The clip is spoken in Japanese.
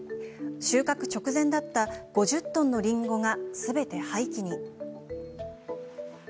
収穫直前だった５０トンのりんごがすべて廃棄に。